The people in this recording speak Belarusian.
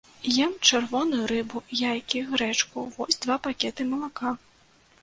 Ем чырвоную рыбу, яйкі, грэчку, вось два пакеты малака.